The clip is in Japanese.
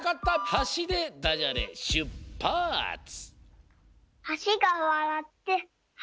「はし」でダジャレしゅっぱつ！